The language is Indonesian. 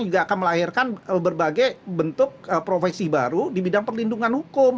juga akan melahirkan berbagai bentuk profesi baru di bidang perlindungan hukum